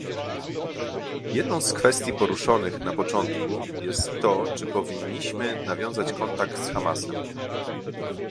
Jedną z kwestii poruszonych na początku jest to, czy powinniśmy nawiązać kontakt z Hamasem